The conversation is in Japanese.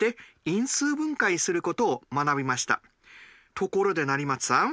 ところで成松さん。